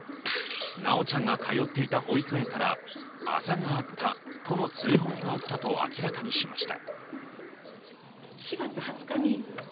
修ちゃんが通っていた保育園からあざがあったとの通報があったと明らかにしました。